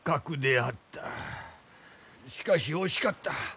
しかし惜しかった。